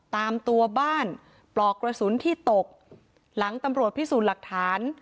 ตามตัวบ้านปลอกกระสุนที่ตกหลังตำรวจพิสูจน์หลักฐาน